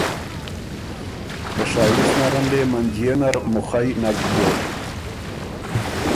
که شائِست نرن دې منجيې نر مُوخئ نک بيوک۔